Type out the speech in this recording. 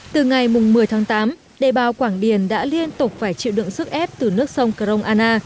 từ ngày một mươi tháng tám đề bào quảng điền đã liên tục phải chịu đựng sức ép từ nước sông krong anna